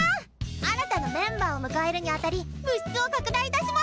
新たなメンバーを迎えるにあたり部室を拡大いたしました！